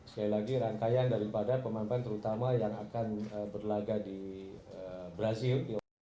sekali lagi rangkaian daripada pemampan terutama yang akan berlagak di brazil